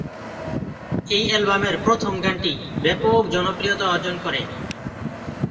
এই অ্যালবামের প্রথম গানটি ব্যপক জনপ্রিয়তা অর্জন করে।